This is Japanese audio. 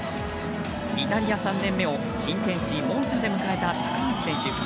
イタリア３年目を新天地モンツァで迎えた高橋選手。